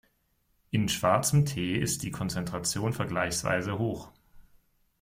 In schwarzem Tee ist die Konzentration vergleichsweise hoch.